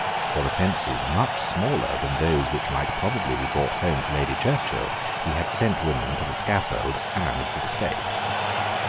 For offences much smaller than those which might probably be brought home to Lady Churchill he had sent women to the scaffold and the stake.